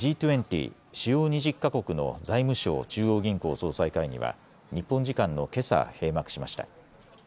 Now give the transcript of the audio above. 主要２０か国の財務相・中央銀行総裁会議は日本時間のけさ、閉幕しました。